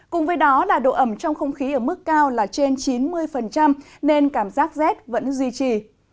cùng với đó là độ ẩm trong không khí ở mức cao là trên chín mươi nên cảm giác rét vẫn duy trì